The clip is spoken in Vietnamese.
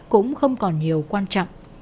cũng không còn nhiều quan trọng